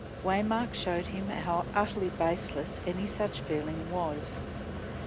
Waymark showed him how utterly baseless any such feeling was.